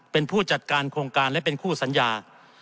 เป็นผู้จัดการโครงการและเป็นคู่สัญญา